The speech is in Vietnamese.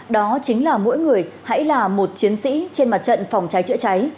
đó chính là mỗi người hãy là một chiến sĩ trên mặt trận phòng cháy chữa cháy